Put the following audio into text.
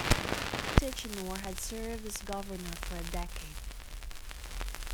Tichenor had served as governor for a decade.